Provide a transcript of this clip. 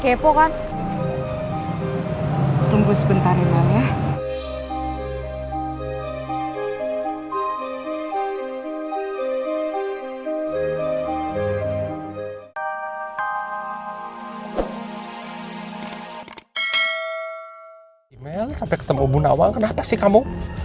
emel sampai ketemu bu nawal kenapa sih kamu